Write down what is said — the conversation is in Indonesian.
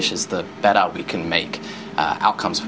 semakin baik kita bisa membuat hasil untuk pasien